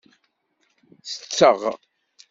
Tetteɣ.